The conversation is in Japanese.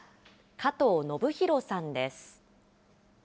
加藤順大さんです。